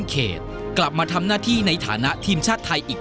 นอกจากนักเตะรุ่นใหม่จะเข้ามาเป็นตัวขับเคลื่อนทีมชาติไทยชุดนี้แล้ว